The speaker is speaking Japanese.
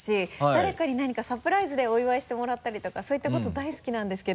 誰かに何かサプライズでお祝いしてもらったりとかそういったこと大好きなんですけど。